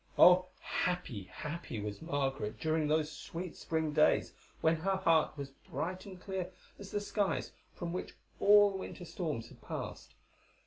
Oh! happy, happy was Margaret during those sweet spring days, when her heart was bright and clear as the skies from which all winter storms had passed.